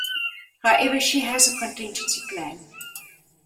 However, she has a contingency plan.